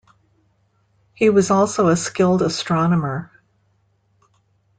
He was also a skilled astronomer.